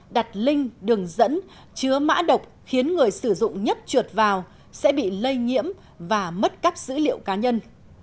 đặt link đường dẫn chứa mã độc khiến người sử dụng nhất trượt vào sẽ bị lây nhiễm và mất các dữ liệu cá nhân